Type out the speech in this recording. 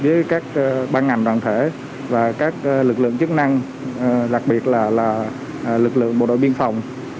với các ban ngành đoàn thể và các lực lượng chức năng đặc biệt là lực lượng bộ đội biên phòng